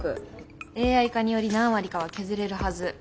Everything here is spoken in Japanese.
ＡＩ化により何割かは削れるはず。